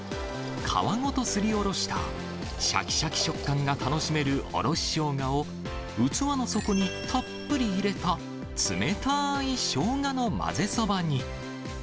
皮ごとすりおろしたしゃきしゃき食感が楽しめるおろしショウガを、器の底にたっぷり入れた、つめたーいショウガの混ぜそばに。